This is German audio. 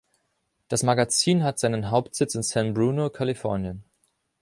Das Magazin hat seinen Hauptsitz in San Bruno, Kalifornien.